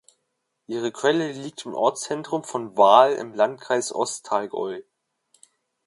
Ihre Quelle liegt im Ortszentrum von Waal im Landkreis Ostallgäu.